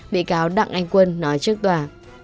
bị cáo đặng anh quân nói trước tòa